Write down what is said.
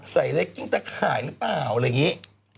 เล็กกิ้งตะข่ายหรือเปล่าอะไรอย่างนี้